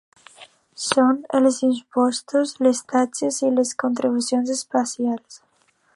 Són els impostos, les taxes i les contribucions especials.